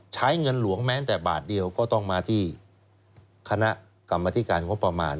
ใช้เงินหลวงแม้แต่บาทเดียวก็ต้องมาที่คณะกรรมธิการงบประมาณ